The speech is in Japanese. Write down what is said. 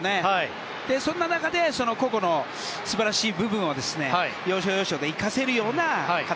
そんな中で個々の素晴らしい部分を要所要所で生かせるような形。